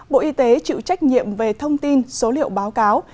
bộ y tế chịu trách nhiệm về thông tin số liệu báo cáo